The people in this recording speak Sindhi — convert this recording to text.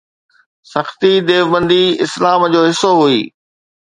سختي ديوبندي اسلام جو حصو هئي.